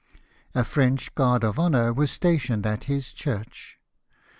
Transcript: A French guard of honour was stationed at his church.